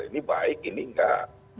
ini baik ini tidak